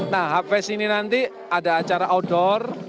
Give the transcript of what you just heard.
nah hapes ini nanti ada acara outdoor